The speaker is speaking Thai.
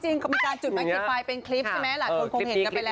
มีการจุดไม้กี่ไฟล์เป็นคลิปใช่ไหมหลายคนคงเห็นกันไปแล้ว